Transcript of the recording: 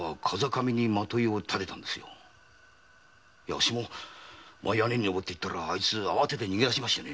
あっしが屋根に登っていったらあいつ慌てて逃げ出しましてね